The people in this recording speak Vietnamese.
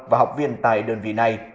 và học viên tại đơn vị này